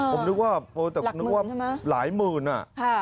ผมนึกว่าหลายหมื่นอะ